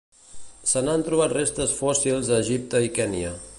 Se n'han trobat restes fòssils a Egipte i Kenya.